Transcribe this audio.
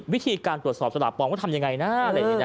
วิธีการตรวจสอบสลัดปลอมก็ทำอย่างไรนะ